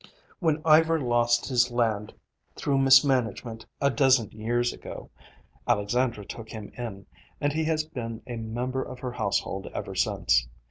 When Ivar lost his land through mismanagement a dozen years ago, Alexandra took him in, and he has been a member of her household ever since.